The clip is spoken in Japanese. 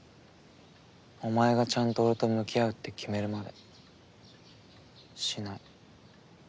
お前がちゃんと俺と向き合うって決めるまでしない。